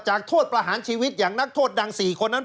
โทษประหารชีวิตอย่างนักโทษดัง๔คนนั้น